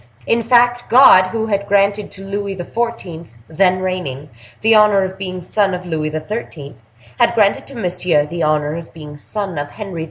In fact, God, who had granted to Louis XIV., then reigning, the honor of being son of Louis XIII., had granted to Monsieur the honor of being son of Henry IV.